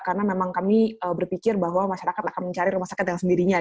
karena memang kami berpikir bahwa masyarakat akan mencari rumah sakit yang sendirinya